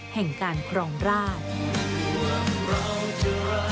แห่งการครองราช